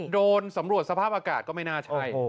โดนสำรวจสภาพอากาศก็ไม่น่าใช่